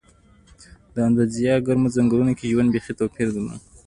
د اندونیزیا ګرمو ځنګلونو کې ژوند بېخي توپیر درلود.